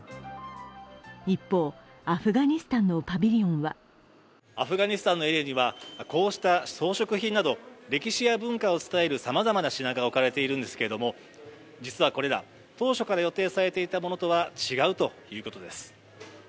一方、アフガニスタンのパビリオンはアフガニスタンのエリアには、こうした装飾品など歴史や文化を伝えるさまざまな品が置かれているんですけれども、実はこれら、当初から予定されていたものとは違うということです。